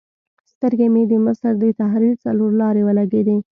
سترګې مې د مصر د تحریر څلور لارې ولګېدې.